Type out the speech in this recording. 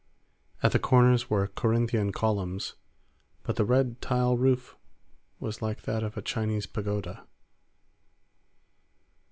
At the corners were Corinthian columns, but the red tile roof was like that of a Chinese pagoda.